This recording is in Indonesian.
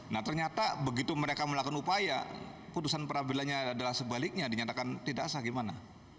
nah ternyata begitu mereka melakukan upaya putusan peradilannya adalah sebaliknya dinyatakan tidak sah gimana